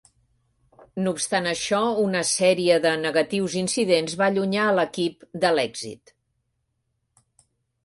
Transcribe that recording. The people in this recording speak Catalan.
No obstant això, una sèrie de negatius incidents va allunyar a l'equip de l'èxit.